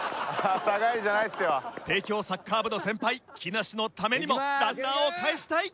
帝京サッカー部の先輩木梨のためにもランナーをかえしたい！